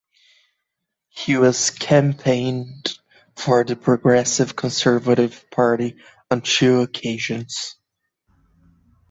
He has campaigned for the Progressive Conservative Party on two occasions.